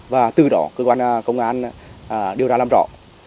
và từ đó cơ quan công an điều tra làm rõ